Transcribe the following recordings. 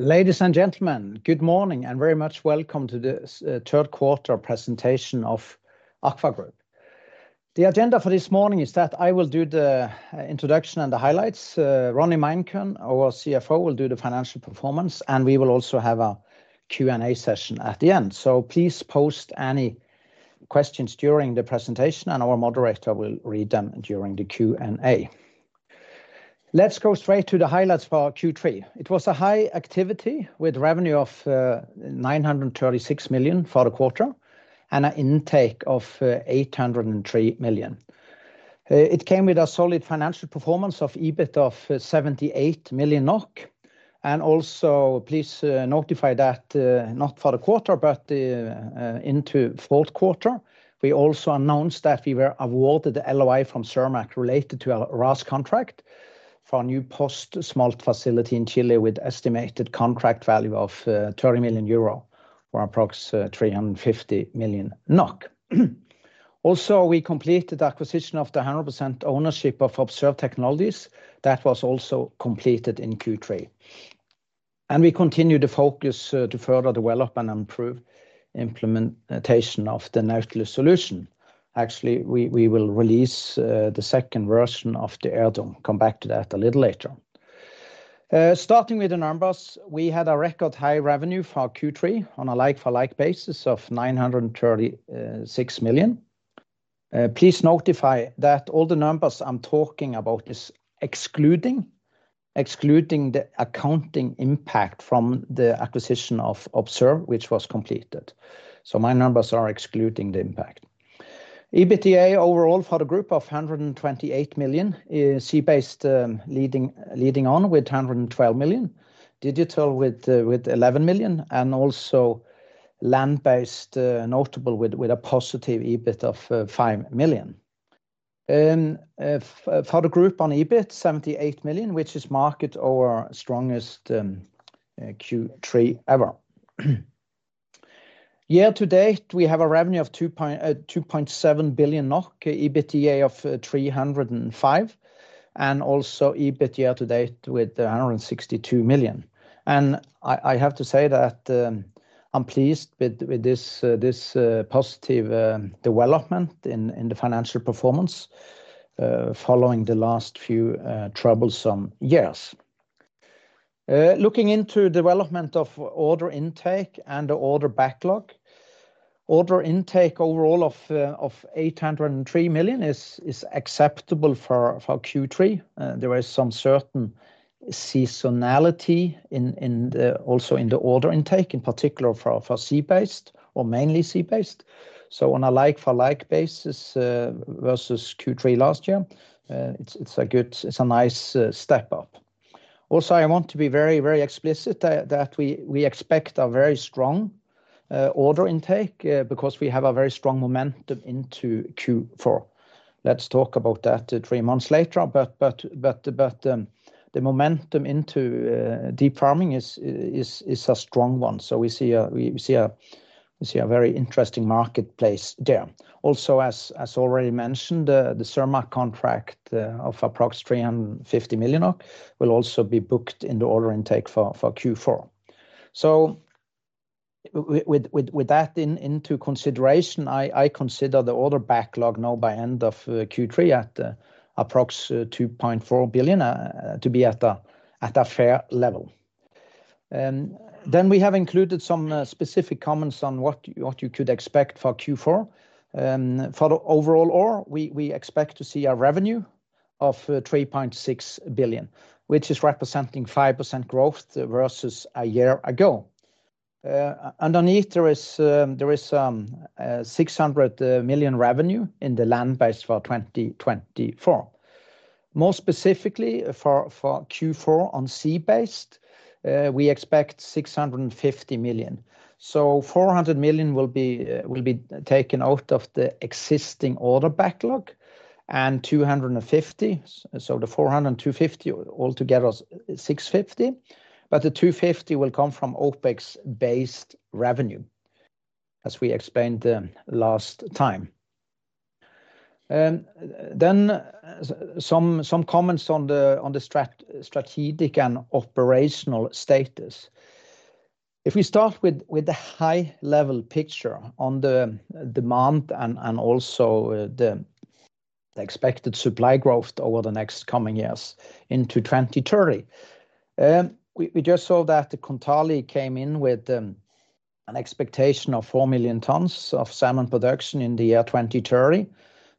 Ladies and gentlemen, good morning and very much welcome to the third quarter presentation of AKVA Group. The agenda for this morning is that I will do the introduction and the highlights. Ronny Meinkøhn, our CFO, will do the financial performance, and we will also have a Q&A session at the end. So please post any questions during the presentation, and our moderator will read them during the Q&A. Let's go straight to the highlights for Q3. It was a high activity with revenue of 936 million NOK for the quarter and an intake of 803 million NOK. It came with a solid financial performance of EBIT of 78 million NOK. Also please note that not for the quarter, but into fourth quarter. We also announced that we were awarded the LOI from Cermaq related to a RAS contract for a new post-smolt facility in Chile with an estimated contract value of 30 million euro or approximately 350 million NOK. Also, we completed the acquisition of the 100% ownership of Observe Technologies. That was also completed in Q3, and we continue to focus to further develop and improve the implementation of the Nautilus solution. Actually, we will release the second version AKVA air dome. come back to that a little later. Starting with the numbers, we had a record high revenue for Q3 on a like-for-like basis of 936 million. Please note that all the numbers I'm talking about are excluding the accounting impact from the acquisition of Observe, which was completed, so my numbers are excluding the impact. EBITDA overall for the group of 128 million is sea-based, leading with 112 million, digital with 11 million, and also land-based, notable with a positive EBIT of 5 million. For the group on EBIT, 78 million, which is our strongest Q3 ever. Year to date, we have a revenue of 2.7 billion NOK, EBITDA of 305 million, and also EBIT year to date with 162 million. And I have to say that I'm pleased with this positive development in the financial performance following the last few troublesome years. Looking into development of order intake and the order backlog, order intake overall of 803 million is acceptable for Q3. There is some certain seasonality also in the order intake, in particular for sea-based or mainly sea-based. So on a like-for-like basis versus Q3 last year, it's a nice step up. Also, I want to be very, very explicit that we expect a very strong order intake because we have a very strong momentum into Q4. Let's talk about that three months later, but the momentum into deep farming is a strong one. So we see a very interesting marketplace there. Also, as already mentioned, the Cermaq contract of approximately 350 million will also be booked in the order intake for Q4. So with that into consideration, I consider the order backlog now by end of Q3 at approximately 2.4 billion to be at a fair level. Then we have included some specific comments on what you could expect for Q4. For the overall year, we expect to see a revenue of 3.6 billion, which is representing 5% growth versus a year ago. Underneath, there is 600 million revenue in the land-based for 2024. More specifically, for Q4 on sea-based, we expect 650 million. So 400 million will be taken out of the existing order backlog and 250, so the 400 and 250 altogether 650, but the 250 will come from OPEX-based revenue, as we explained last time. Then some comments on the strategic and operational status. If we start with the high-level picture on the demand and also the expected supply growth over the next coming years into 2030, we just saw that the Kontali came in with an expectation of 4 million tons of salmon production in the year 2030,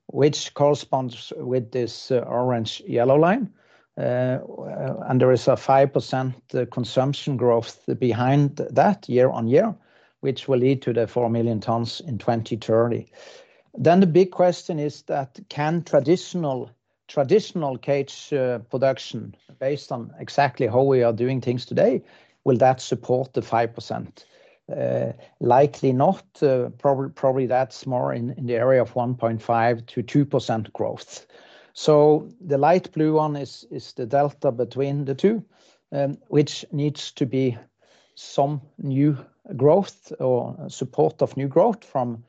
which corresponds with this orange-yellow line, and there is a 5% consumption growth behind that year on year, which will lead to the 4 million tons in 2030, then the big question is that can traditional cage production based on exactly how we are doing things today, will that support the 5%? Likely not. Probably that's more in the area of 1.5%-2% growth. So the light blue one is the delta between the two, which needs to be some new growth or support of new growth from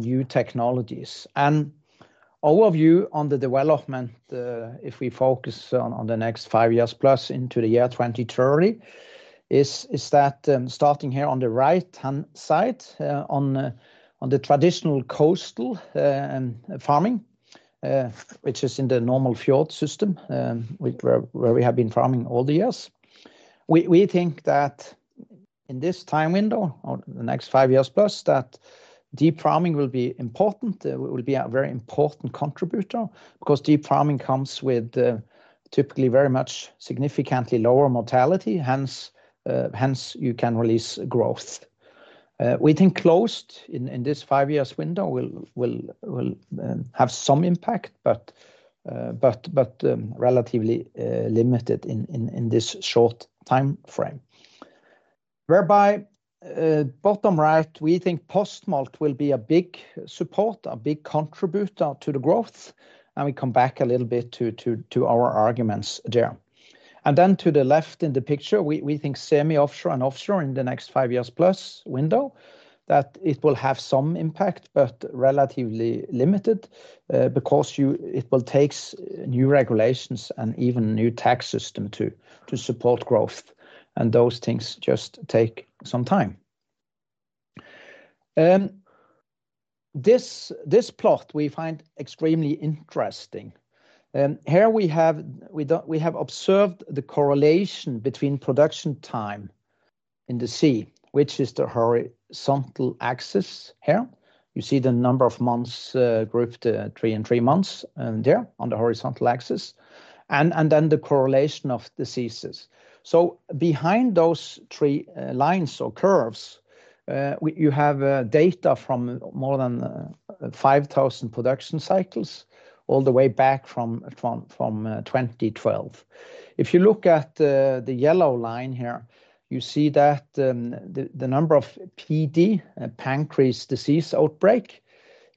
new technologies. And our view on the development, if we focus on the next five years plus into the year 2030, is that starting here on the right-hand side on the traditional coastal farming, which is in the normal fjord system where we have been farming all the years. We think that in this time window or the next five years plus, that deep farming will be important. It will be a very important contributor because deep farming comes with typically very much significantly lower mortality. Hence, you can release growth. We think closed in this five-year window will have some impact, but relatively limited in this short time frame. Whereby, bottom right, we think post-smolt will be a big support, a big contributor to the growth. And we come back a little bit to our arguments there. And then to the left in the picture, we think semi-offshore and offshore in the next five years plus window that it will have some impact, but relatively limited because it will take new regulations and even a new tax system to support growth. And those things just take some time. This plot we find extremely interesting. Here we have observed the correlation between production time in the sea, which is the horizontal axis here. You see the number of months grouped three and three months there on the horizontal axis. And then the correlation of diseases. So behind those three lines or curves, you have data from more than 5,000 production cycles all the way back from 2012. If you look at the yellow line here, you see that the number of PD, pancreas disease outbreak,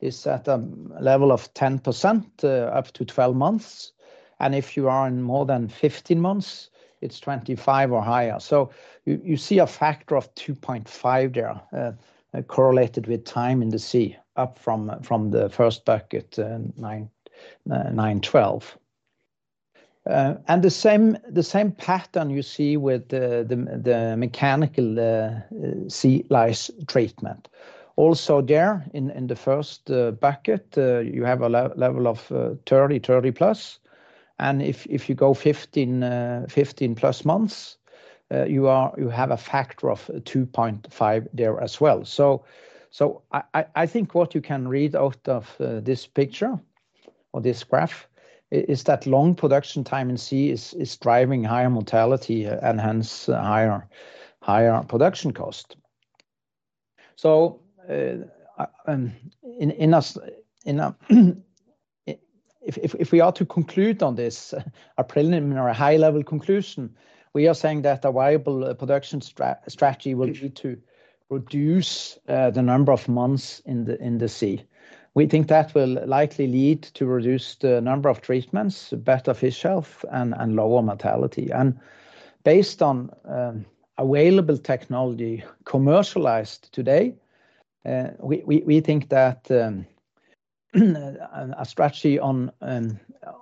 is at a level of 10% up to 12 months, and if you are in more than 15 months, it's 25% or higher. You see a factor of 2.5 there correlated with time in the sea up from the first bucket, 912. The same pattern you see with the mechanical sea lice treatment. Also there in the first bucket, you have a level of 30, 30 plus, and if you go 15 plus months, you have a factor of 2.5 there as well. I think what you can read out of this picture or this graph is that long production time in sea is driving higher mortality and hence higher production cost. If we are to conclude on this, a preliminary high-level conclusion, we are saying that a viable production strategy will need to reduce the number of months in the sea. We think that will likely lead to reduced number of treatments, better fish health, and lower mortality. Based on available technology commercialized today, we think that a strategy on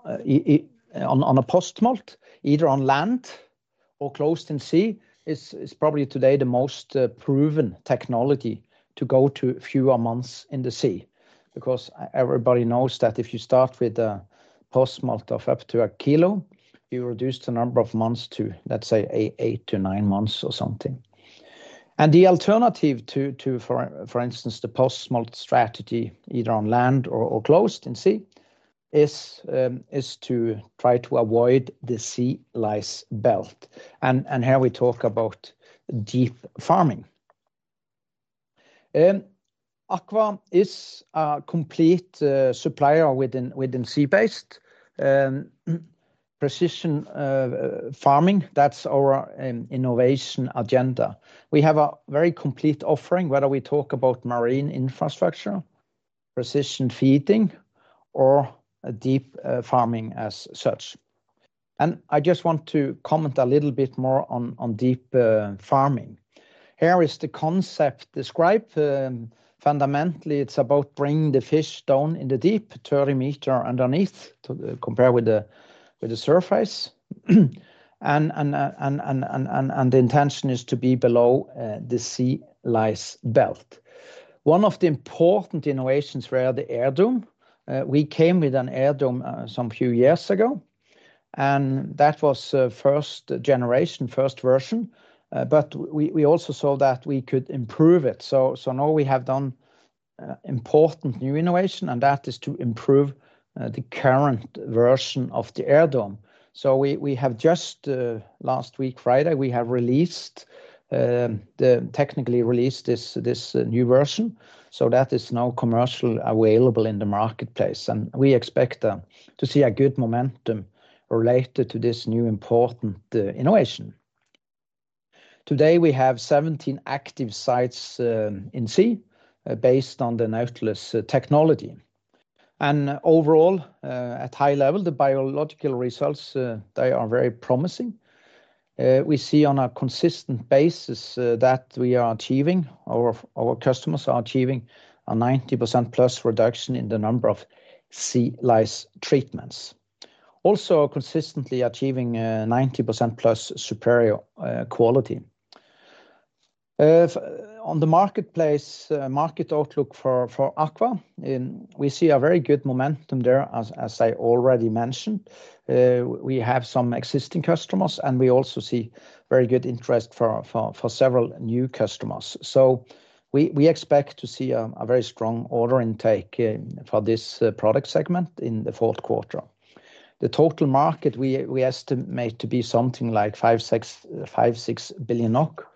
a post-smolt, either on land or closed in sea, is probably today the most proven technology to go to fewer months in the sea. Because everybody knows that if you start with a post-smolt of up to a kilo, you reduce the number of months to, let's say, eight to nine months or something. The alternative to, for instance, the post-smolt strategy, either on land or closed in sea, is to try to avoid the sea lice belt. Here we talk about deep farming. AKVA is a complete supplier within sea-based precision farming. That's our innovation agenda. We have a very complete offering, whether we talk about marine infrastructure, precision feeding, or deep farming as such, and I just want to comment a little bit more on deep farming. Here is the concept described. Fundamentally, it's about bringing the fish down in the deep, 30 meters underneath, compared with the surface, and the intention is to be below the sea lice belt. One of the important innovations were the Air Dome. We came with an Air Dome some few years ago. And that was first generation, first version. But we also saw that we could improve it. So now we have done important new innovation, and that is to improve the current version of the Air Dome. So we have just last week, Friday, we have technically released this new version. That is now commercially available in the marketplace. We expect to see a good momentum related to this new important innovation. Today, we have 17 active sites in-sea based on the Nautilus technology. Overall, at high level, the biological results, they are very promising. We see on a consistent basis that we are achieving, our customers are achieving a 90% plus reduction in the number of sea lice treatments. Also consistently achieving 90% plus superior quality. On the marketplace, market outlook for AKVA, we see a very good momentum there, as I already mentioned. We have some existing customers, and we also see very good interest for several new customers. We expect to see a very strong order intake for this product segment in the fourth quarter. The total market we estimate to be something like 5-6 billion NOK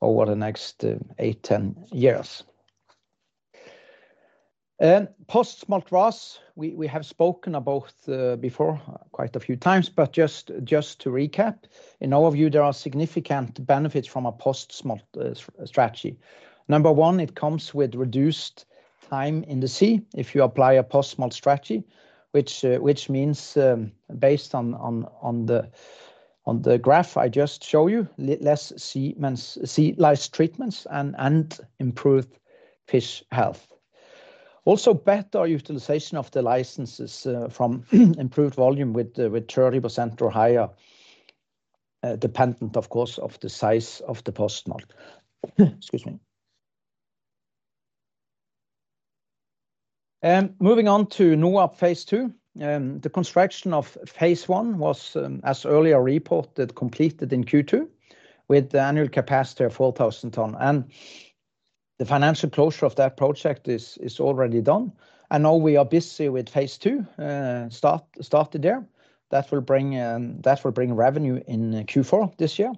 over the next 8-10 years. Post-smolt was, we have spoken about before quite a few times, but just to recap, in our view, there are significant benefits from a post-smolt strategy. Number one, it comes with reduced time in the sea if you apply a post-smolt strategy, which means based on the graph I just showed you, less sea lice treatments and improved fish health. Also better utilization of the licenses from improved volume with 30% or higher, dependent of course on the size of the post-smolt. Excuse me. Moving on to NOAP Phase II, the construction of Phase I was, as earlier reported, completed in Q2 with the annual capacity of 4,000 tonnes. And the financial closure of that project is already done. And now we are busy with Phase II, started there. That will bring revenue in Q4 this year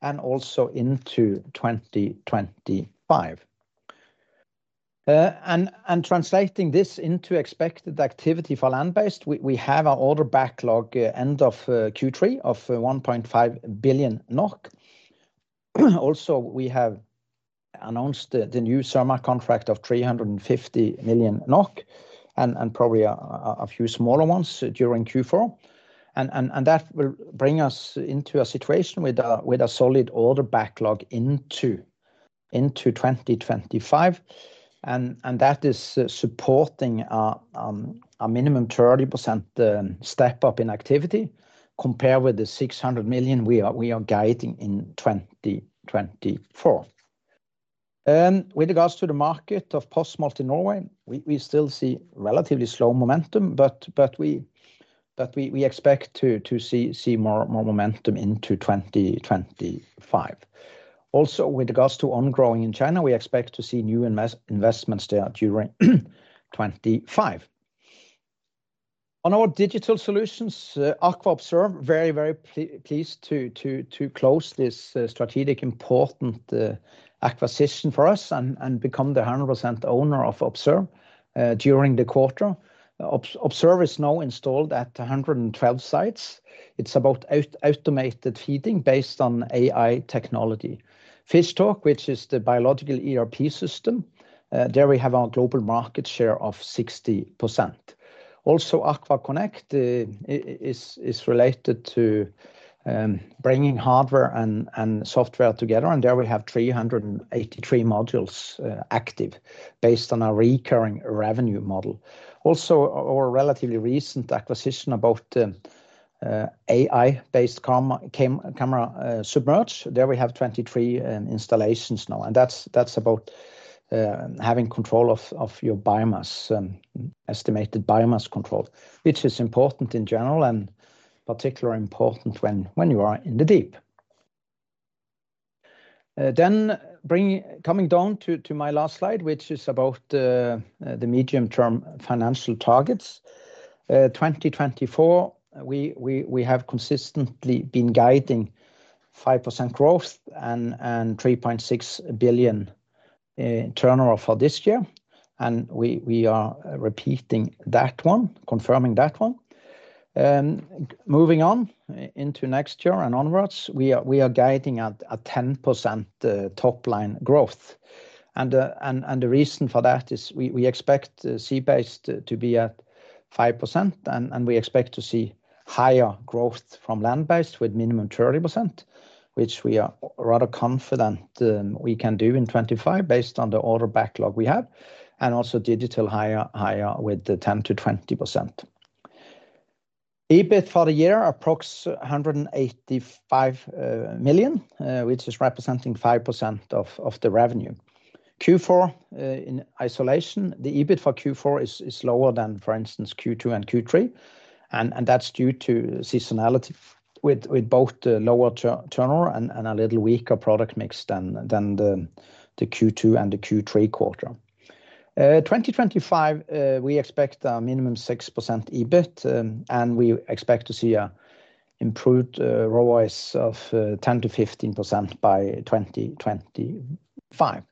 and also into 2025. Translating this into expected activity for land-based, we have an order backlog end of Q3 of 1.5 billion NOK. Also, we have announced the new Cermaq contract of 350 million NOK and probably a few smaller ones during Q4. And that will bring us into a situation with a solid order backlog into 2025. And that is supporting a minimum 30% step-up in activity compared with the 600 million NOK we are guiding in 2024. With regards to the market of post-smolt in Norway, we still see relatively slow momentum, but we expect to see more momentum into 2025. Also, with regards to ongoing in China, we expect to see new investments there during 2025. On our digital solutions, AKVA Observe, very, very pleased to close this strategic important acquisition for us and become the 100% owner of Observe during the quarter. Observe is now installed at 112 sites. It's about automated feeding based on AI technology. FishTalk, which is the biological ERP system, there we have our global market share of 60%. Also, AKVA connect is related to bringing hardware and software together, and there we have 383 modules active based on our recurring revenue model. Also, our relatively recent acquisition about the AI-based camera AKVA Submerged, there we have 23 installations now. And that's about having control of your biomass, estimated biomass control, which is important in general and particularly important when you are in the deep. Then coming down to my last slide, which is about the medium-term financial targets. In 2024, we have consistently been guiding 5% growth and 3.6 billion turnover for this year. And we are repeating that one, confirming that one. Moving on into next year and onwards, we are guiding a 10% top-line growth. The reason for that is we expect sea-based to be at 5%, and we expect to see higher growth from land-based with minimum 30%, which we are rather confident we can do in 2025 based on the order backlog we have. Also digital higher with the 10%-20%. EBIT for the year, approximately 185 million, which is representing 5% of the revenue. Q4 in isolation, the EBIT for Q4 is lower than, for instance, Q2 and Q3. That's due to seasonality with both lower turnover and a little weaker product mix than the Q2 and the Q3 quarter. 2025, we expect a minimum 6% EBIT, and we expect to see an improved ROA of 10%-15% by 2025.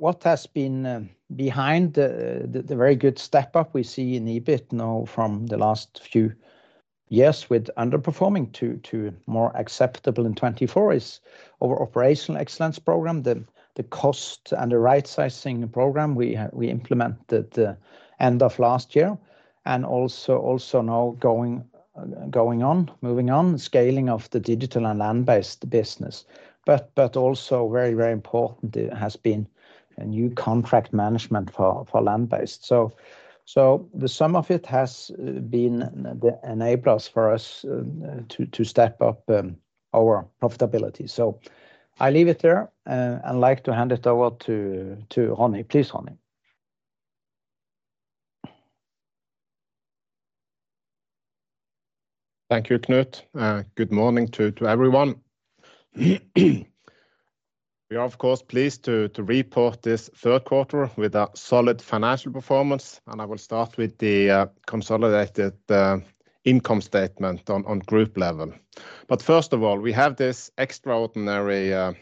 What has been behind the very good step-up we see in EBIT now from the last few years with underperforming to more acceptable in 2024 is our operational excellence program, the cost and the right-sizing program we implemented end of last year. And also now going on, moving on, scaling of the digital and land-based business. But also very, very important has been a new contract management for land-based. So the sum of it has been the enablers for us to step up our profitability. So I leave it there and like to hand it over to Ronny. Please, Ronny. Thank you, Knut. Good morning to everyone. We are, of course, pleased to report this third quarter with a solid financial performance. And I will start with the consolidated income statement on group level. But first of all, we have this extraordinary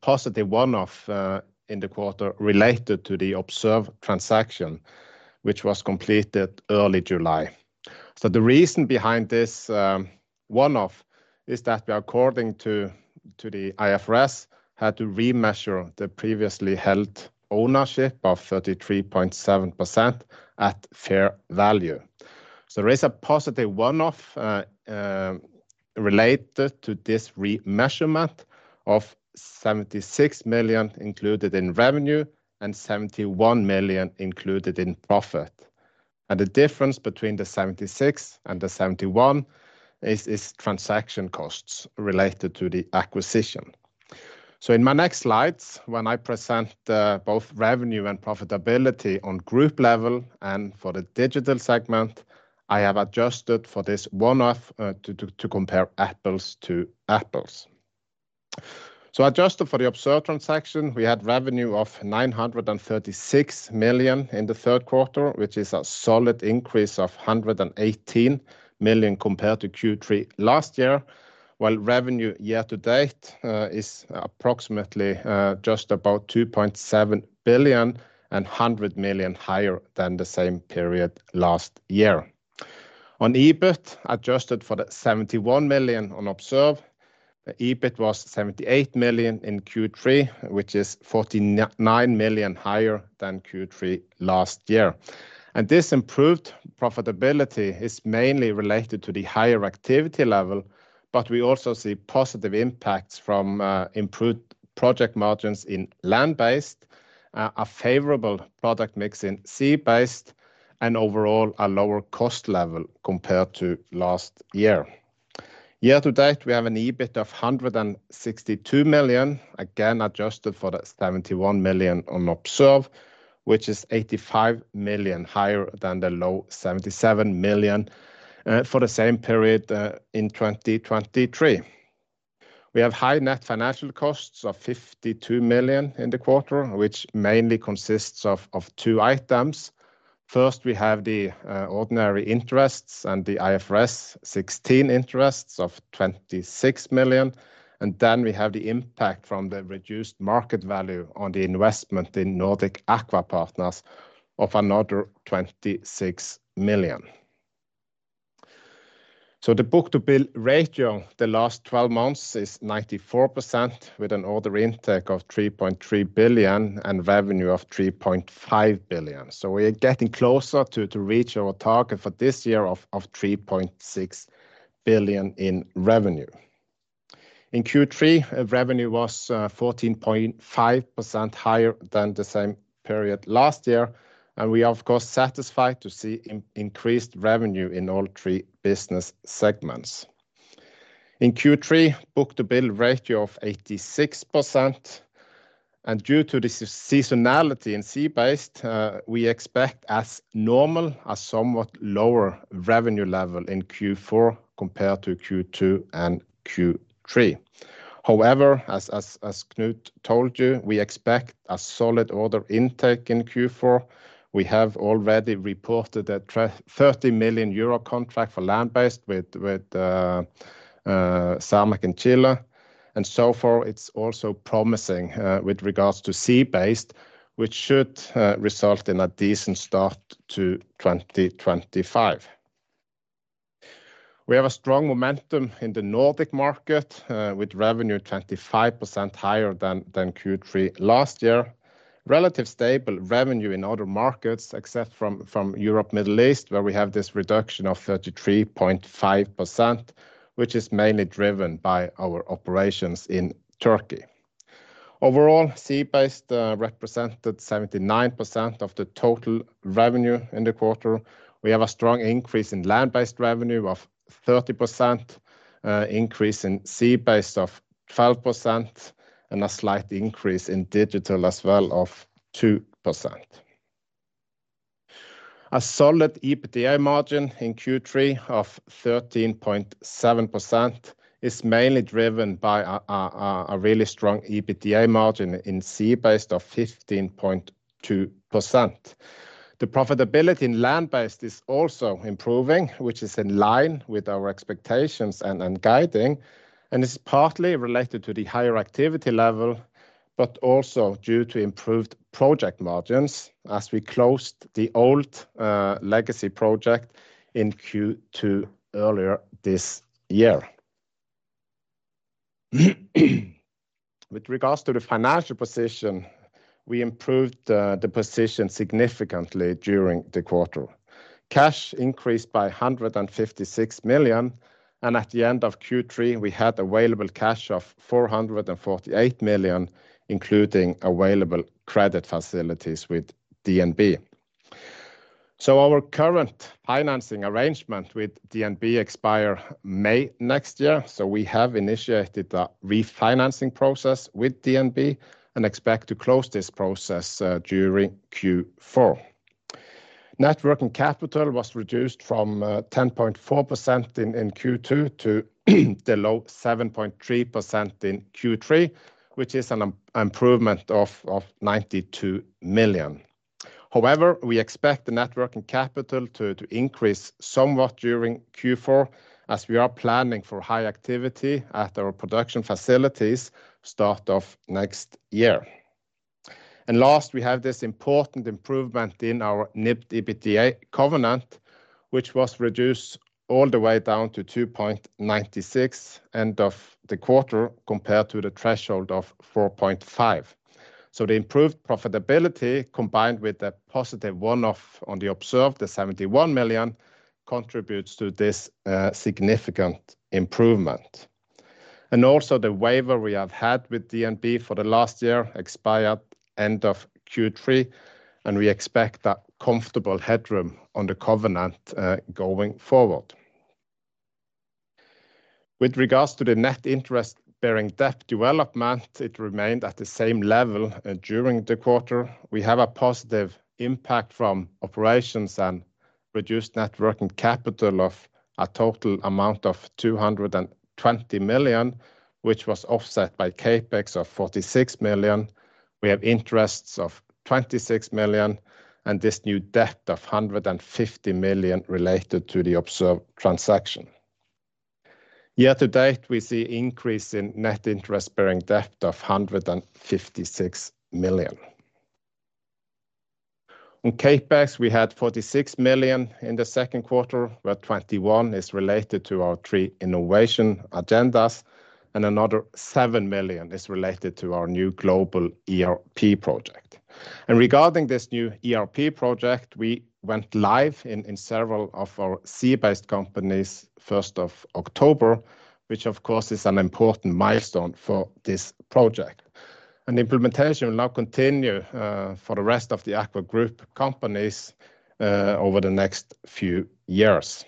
positive one-off in the quarter related to the Observe transaction, which was completed early July. So the reason behind this one-off is that we, according to the IFRS, had to remeasure the previously held ownership of 33.7% at fair value. So there is a positive one-off related to this remeasurement of 76 million included in revenue and 71 million included in profit. And the difference between the 76 and the 71 is transaction costs related to the acquisition. So in my next slides, when I present both revenue and profitability on group level and for the digital segment, I have adjusted for this one-off to compare apples to apples. Adjusted for the Observe transaction, we had revenue of 936 million in the third quarter, which is a solid increase of 118 million compared to Q3 last year, while revenue year to date is approximately just about 2.7 billion and 100 million higher than the same period last year. On EBIT, adjusted for the 71 million on Observe, the EBIT was 78 million in Q3, which is 49 million higher than Q3 last year. And this improved profitability is mainly related to the higher activity level, but we also see positive impacts from improved project margins in land-based, a favorable product mix in sea-based, and overall a lower cost level compared to last year. Year to date, we have an EBIT of 162 million, again adjusted for the 71 million on Observe, which is 85 million higher than the low 77 million for the same period in 2023. We have high net financial costs of 52 million in the quarter, which mainly consists of two items. First, we have the ordinary interests and the IFRS 16 interests of 26 million. And then we have the impact from the reduced market value on the investment in Nordic Aqua Partners of another 26 million. The book-to-bill ratio the last 12 months is 94% with an order intake of 3.3 billion and revenue of 3.5 billion. We are getting closer to reach our target for this year of 3.6 billion in revenue. In Q3, revenue was 14.5% higher than the same period last year. We are, of course, satisfied to see increased revenue in all three business segments. In Q3, book-to-bill ratio of 86%. Due to the seasonality in sea-based, we expect as normal as somewhat lower revenue level in Q4 compared to Q2 and Q3. However, as Knut told you, we expect a solid order intake in Q4. We have already reported a 30 million euro contract for land-based with Cermaq in Chile. And so far, it's also promising with regards to sea-based, which should result in a decent start to 2025. We have a strong momentum in the Nordic market with revenue 25% higher than Q3 last year. Relatively stable revenue in other markets, except from Europe and the Middle East, where we have this reduction of 33.5%, which is mainly driven by our operations in Turkey. Overall, sea-based represented 79% of the total revenue in the quarter. We have a strong increase in land-based revenue of 30%, an increase in sea-based of 12%, and a slight increase in digital as well of 2%. A solid EBITDA margin in Q3 of 13.7% is mainly driven by a really strong EBITDA margin in sea-based of 15.2%. The profitability in land-based is also improving, which is in line with our expectations and guiding, and it's partly related to the higher activity level, but also due to improved project margins as we closed the old legacy project in Q2 earlier this year. With regards to the financial position, we improved the position significantly during the quarter. Cash increased by 156 million, and at the end of Q3, we had available cash of 448 million, including available credit facilities with DNB, so our current financing arrangement with DNB expires May next year, so we have initiated the refinancing process with DNB and expect to close this process during Q4. working capital was reduced from 10.4% in Q2 to the low 7.3% in Q3, which is an improvement of 92 million. However, we expect the net working capital to increase somewhat during Q4 as we are planning for high activity at our production facilities start of next year. Last, we have this important improvement in our NIBD EBITDA covenant, which was reduced all the way down to 2.96 end of the quarter compared to the threshold of 4.5. The improved profitability combined with the positive one-off on the Observe, the 71 million, contributes to this significant improvement. Also, the waiver we have had with DNB for the last year expired end of Q3. We expect a comfortable headroom on the covenant going forward. With regards to the net interest-bearing debt development, it remained at the same level during the quarter. We have a positive impact from operations and reduced net working capital of a total amount of 220 million, which was offset by CapEx of 46 million. We have interests of 26 million and this new debt of 150 million related to the Observe transaction. Year to date, we see an increase in net interest-bearing debt of 156 million. On CapEx, we had 46 million in the second quarter, where 21 is related to our three innovation agendas, and another 7 million is related to our new global ERP project. Regarding this new ERP project, we went live in several of our sea-based companies 1st of October, which of course is an important milestone for this project. Implementation will now continue for the rest of the AKVA Group companies over the next few years.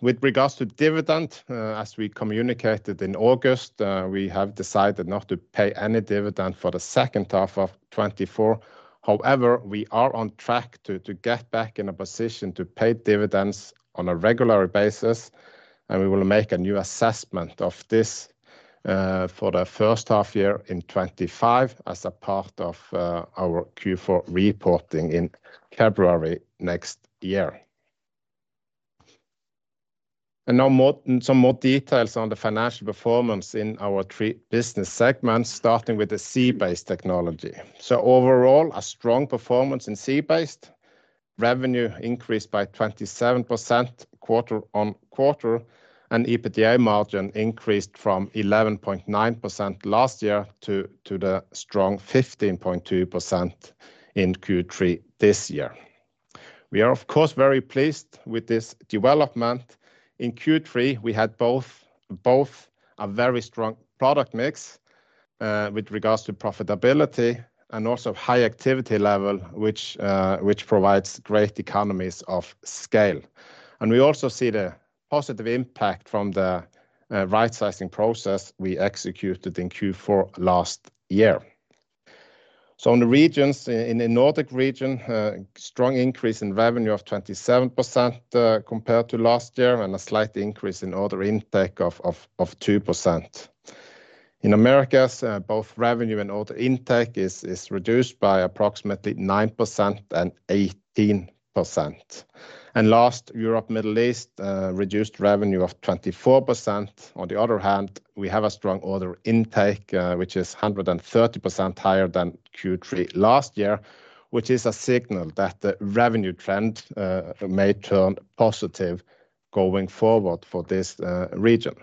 With regards to dividend, as we communicated in August, we have decided not to pay any dividend for the second half of 2024. However, we are on track to get back in a position to pay dividends on a regular basis, and we will make a new assessment of this for the first half year in 2025 as a part of our Q4 reporting in February next year, and now some more details on the financial performance in our three business segments, starting with the sea-based technology, so overall, a strong performance in sea-based. Revenue increased by 27% quarter on quarter, and EBITDA margin increased from 11.9% last year to the strong 15.2% in Q3 this year. We are, of course, very pleased with this development. In Q3, we had both a very strong product mix with regards to profitability and also high activity level, which provides great economies of scale. And we also see the positive impact from the right-sizing process we executed in Q4 last year. So in the regions, in the Nordic region, a strong increase in revenue of 27% compared to last year and a slight increase in order intake of 2%. In Americas, both revenue and order intake is reduced by approximately 9% and 18%. And last, Europe and the Middle East reduced revenue of 24%. On the other hand, we have a strong order intake, which is 130% higher than Q3 last year, which is a signal that the revenue trend may turn positive going forward for this region.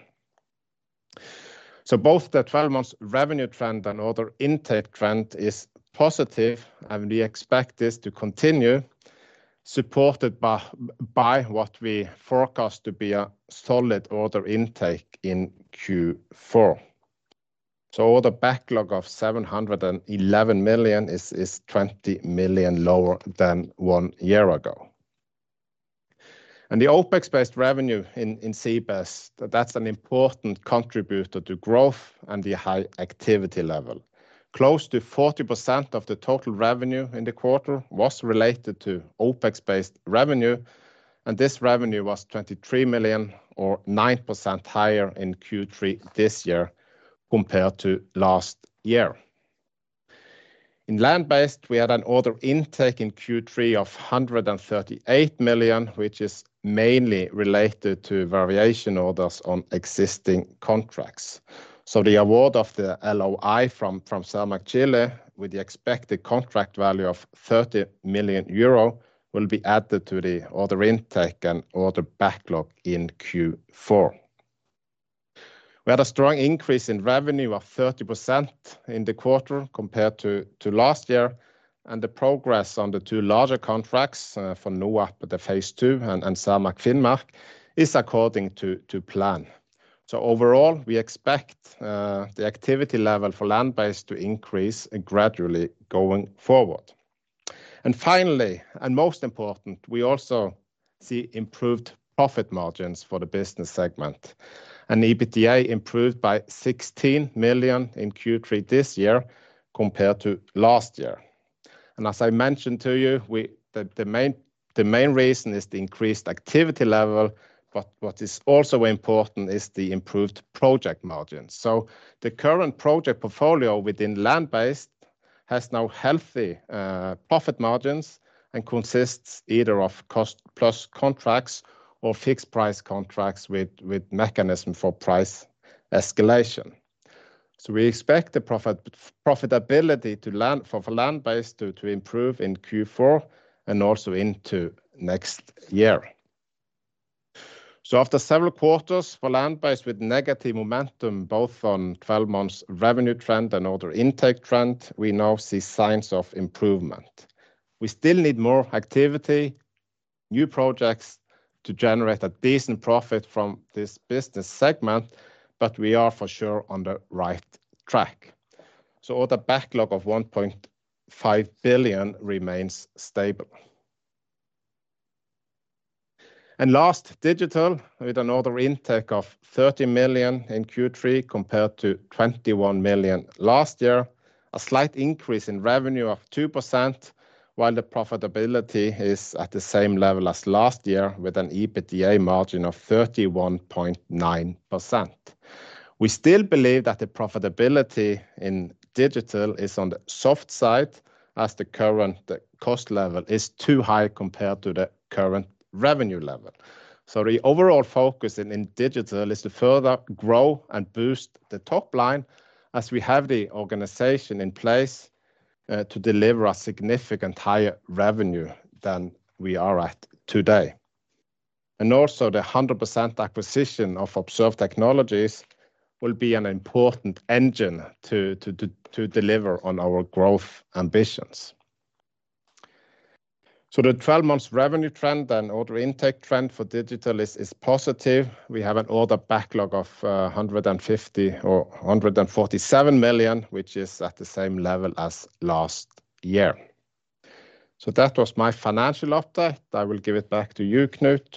Both the 12-month revenue trend and order intake trend is positive, and we expect this to continue, supported by what we forecast to be a solid order intake in Q4. The backlog of 711 million is 20 million lower than one year ago. The OPEX-based revenue in sea-based, that's an important contributor to growth and the high activity level. Close to 40% of the total revenue in the quarter was related to OPEX-based revenue, and this revenue was 23 million or 9% higher in Q3 this year compared to last year. In land-based, we had an order intake in Q3 of 138 million, which is mainly related to variation orders on existing contracts. The award of the LOI from Cermaq Chile with the expected contract value of 30 million euro will be added to the order intake and order backlog in Q4. We had a strong increase in revenue of 30% in the quarter compared to last year, and the progress on the two larger contracts for NOAP, the Phase II, and Cermaq Finnmark is according to plan. So overall, we expect the activity level for land-based to increase gradually going forward. And finally, and most important, we also see improved profit margins for the business segment. And EBITDA improved by 16 million NOK in Q3 this year compared to last year. And as I mentioned to you, the main reason is the increased activity level, but what is also important is the improved project margins. So the current project portfolio within land-based has now healthy profit margins and consists either of cost-plus contracts or fixed-price contracts with mechanism for price escalation. So we expect the profitability for land-based to improve in Q4 and also into next year. So after several quarters for land-based with negative momentum, both on 12-month revenue trend and order intake trend, we now see signs of improvement. We still need more activity, new projects to generate a decent profit from this business segment, but we are for sure on the right track. So the backlog of 1.5 billion remains stable. And last, digital with an order intake of 30 million in Q3 compared to 21 million last year. A slight increase in revenue of 2%, while the profitability is at the same level as last year with an EBITDA margin of 31.9%. We still believe that the profitability in digital is on the soft side as the current cost level is too high compared to the current revenue level. So the overall focus in digital is to further grow and boost the top line as we have the organization in place to deliver a significant higher revenue than we are at today. And also the 100% acquisition of Observe Technologies will be an important engine to deliver on our growth ambitions. So the 12-month revenue trend and order intake trend for digital is positive. We have an order backlog of 147 million, which is at the same level as last year. So that was my financial update. I will give it back to you, Knut,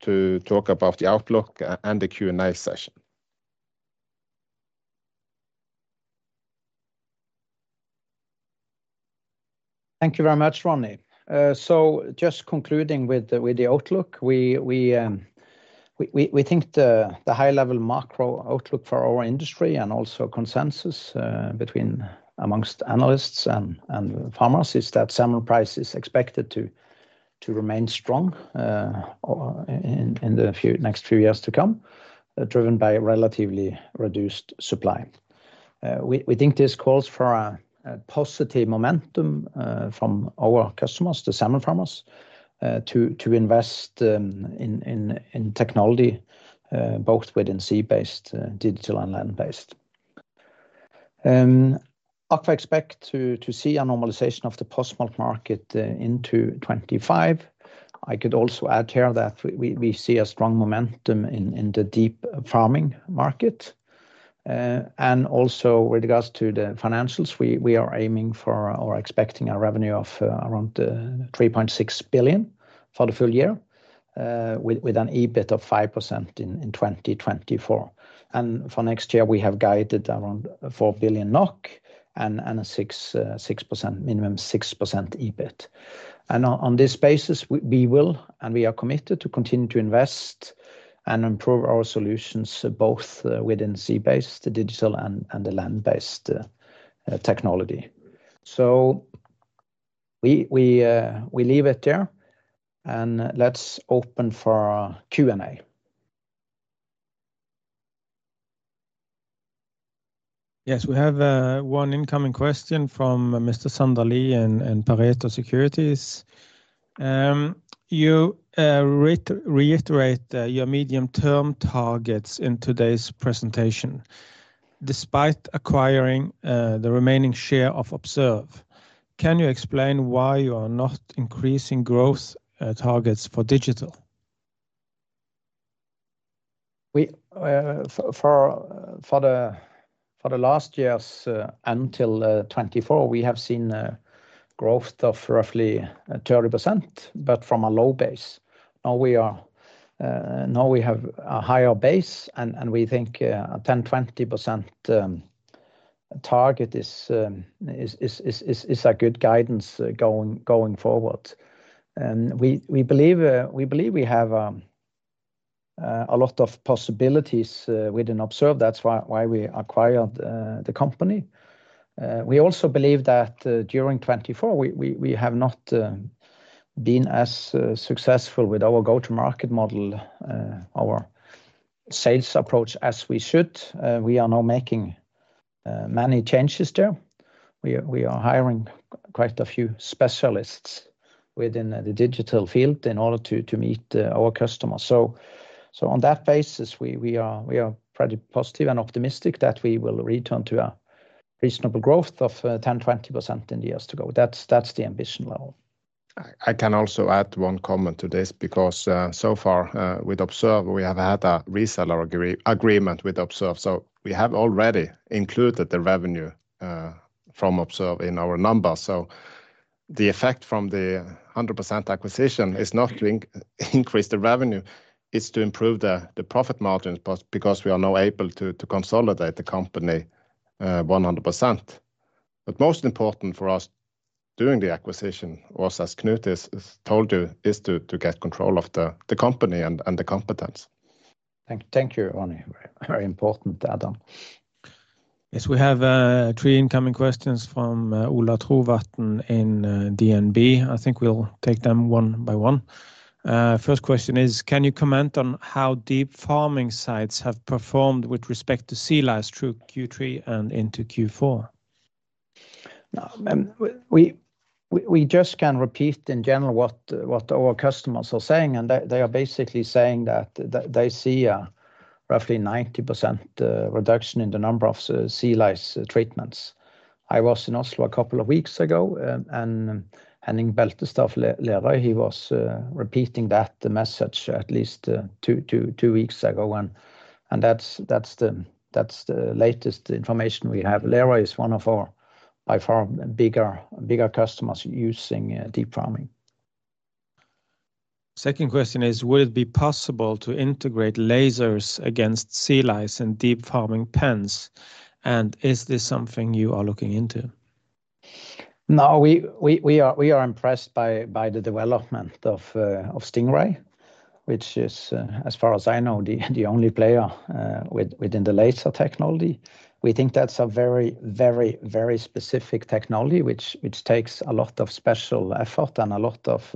to talk about the outlook and the Q&A session. Thank you very much, Ronny. Just concluding with the outlook, we think the high-level macro outlook for our industry and also consensus amongst analysts and farmers is that salmon price is expected to remain strong in the next few years to come, driven by relatively reduced supply. We think this calls for a positive momentum from our customers, the salmon farmers, to invest in technology both within sea-based, digital, and land-based. I expect to see a normalization of the post-smolt market into 2025. I could also add here that we see a strong momentum in the deep farming market. With regards to the financials, we are aiming for or expecting a revenue of around 3.6 billion NOK for the full year with an EBIT of 5% in 2024. For next year, we have guided around 4 billion NOK and a 6%, minimum 6% EBIT. On this basis, we will and we are committed to continue to invest and improve our solutions both within sea-based, the digital, and the land-based technology. We leave it there and let's open for Q&A. Yes, we have one incoming question from Mr. Sander Lie and Pareto Securities. You reiterate your medium-term targets in today's presentation. Despite acquiring the remaining share of Observe, can you explain why you are not increasing growth targets for digital? For the last years until 2024, we have seen a growth of roughly 30%, but from a low base. Now we have a higher base and we think a 10%-20% target is a good guidance going forward. We believe we have a lot of possibilities within Observe. That's why we acquired the company. We also believe that during 2024, we have not been as successful with our go-to-market model, our sales approach as we should. We are now making many changes there. We are hiring quite a few specialists within the digital field in order to meet our customers. So on that basis, we are pretty positive and optimistic that we will return to a reasonable growth of 10-20% in the years to go. That's the ambition level. I can also add one comment to this because so far with Observe, we have had a reseller agreement with Observe. So we have already included the revenue from Observe in our numbers. So the effect from the 100% acquisition is not to increase the revenue. It's to improve the profit margins because we are now able to consolidate the company 100%. But most important for us during the acquisition, or as Knut told you, is to get control of the company and the competence. Thank you, Ronny. Very important, Adam. Yes, we have three incoming questions from Ola Trovatn in DNB. I think we'll take them one by one. First question is, can you comment on how deep farming sites have performed with respect to sea lice through Q3 and into Q4? We just can repeat in general what our customers are saying, and they are basically saying that they see a roughly 90% reduction in the number of sea lice treatments. I was in Oslo a couple of weeks ago, and Henning Beltestad of Lerøy, he was repeating that message at least two weeks ago. And that's the latest information we have. Lerøy is one of our by far bigger customers using deep farming. Second question is, would it be possible to integrate lasers against sea lice in deep farming pens? And is this something you are looking into? No, we are impressed by the development of Stingray, which is, as far as I know, the only player within the laser technology. We think that's a very, very, very specific technology, which takes a lot of special effort and a lot of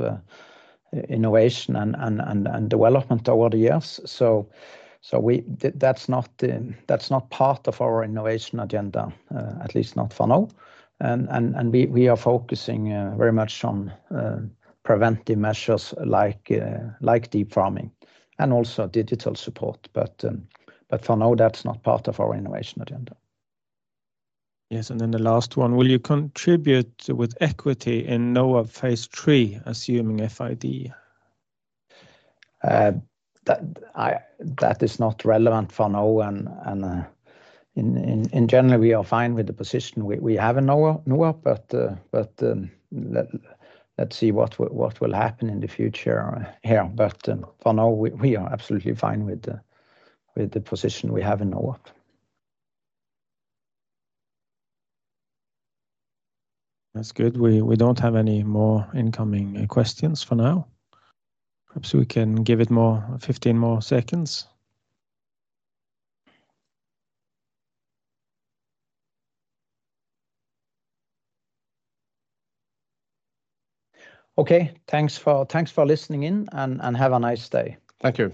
innovation and development over the years. So that's not part of our innovation agenda, at least not for now. And we are focusing very much on preventive measures like deep farming and also digital support. But for now, that's not part of our innovation agenda. Yes, and then the last one, will you contribute with equity in NOAP Phase III, assuming FID? That is not relevant for now. And in general, we are fine with the position we have in NOAP, but let's see what will happen in the future here. But for now, we are absolutely fine with the position we have in NOAP. That's good. We don't have any more incoming questions for now. Perhaps we can give it 15 more seconds. Okay, thanks for listening in and have a nice day. Thank you.